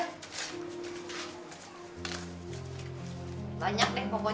silahkan duduk pak